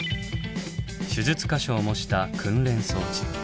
手術箇所を模した訓練装置。